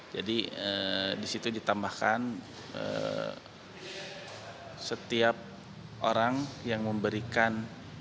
jadi disitu ditambahkan setiap orang yang memberikan